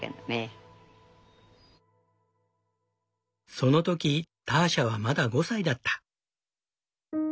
その時ターシャはまだ５歳だった。